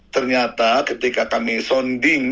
ternyata ketika kami sonding